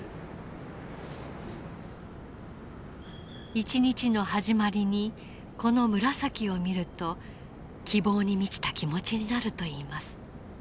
一日の始まりにこの紫を見ると希望に満ちた気持ちになるといいます。